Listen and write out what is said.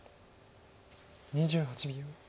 ２８秒。